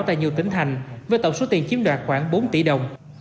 tại nhiều tỉnh thành với tổng số tiền chiếm đoạt khoảng bốn tỷ đồng